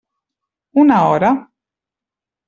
Una hora.